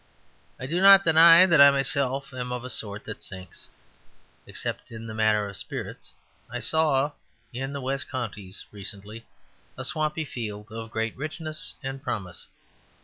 I do not deny that I myself am of a sort that sinks except in the matter of spirits. I saw in the west counties recently a swampy field of great richness and promise.